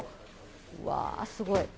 うわー、すごい。